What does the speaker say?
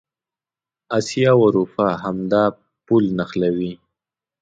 اسیا او اروپا همدا پل نښلوي.